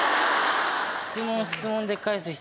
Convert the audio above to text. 質問を質問で返す人